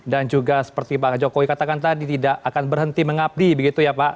dan juga seperti pak jokowi katakan tadi tidak akan berhenti mengabdi begitu ya pak